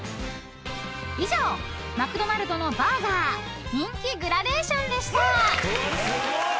［以上マクドナルドのバーガー人気グラデーションでした］